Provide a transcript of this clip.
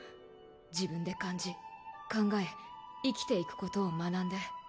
自分で感じ考え生きていくことを学んで